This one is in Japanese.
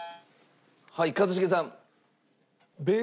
はい一茂さん。